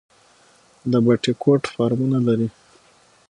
د بټي کوټ فارمونه لري